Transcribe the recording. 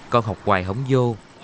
con học hoài hổng vô